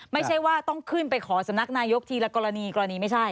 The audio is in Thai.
ไม่ใช่ว่าต้องขึ้นไปขอสำนักนายกทีละกรณีกรณีไม่ใช่